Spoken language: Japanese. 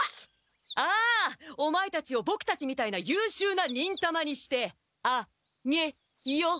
ああオマエたちをボクたちみたいなゆうしゅうな忍たまにしてあげよう！